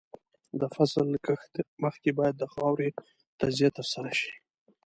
د فصل کښت مخکې باید د خاورې تجزیه ترسره شي.